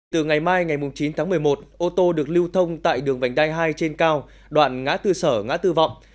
từ ngày mai ngày chín tháng một mươi một ô tô được lưu thông tại đường vành đai hai trên cao đoạn ngã tư sở ngã tư vọng